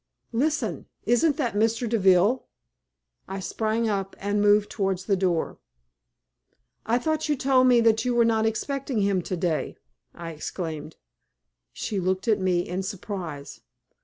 Listen! Isn't that Mr. Deville?" I sprang up and moved towards the door. "I thought you told me that you were not expecting him to day!" I exclaimed. She looked at me in surprise.